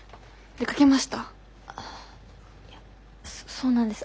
そうなんです。